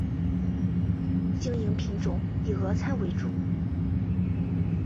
经营品种以俄餐为主。